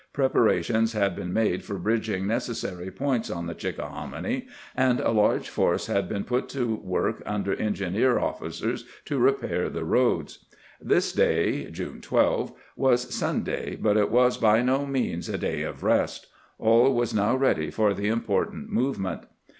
Preparations had been made for bridging necessary points on the Chickahominy, and a large force had been put to work under engineer officers to repair the roads. This day (June 12) was Sunday, but it was by no means a day of rest. AU was . now ready for the important movement.